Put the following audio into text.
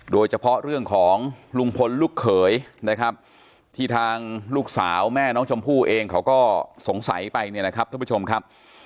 โดยเฉพาะเรื่องของลุงพลลูกเขยนะครับที่ทางลูกสาวแม่น้องชมพู่เองเขาก็สงสัยไปเนี่ยนะครับท่านผู้ชมครับ